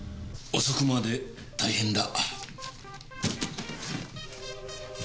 遅くまで大変だ。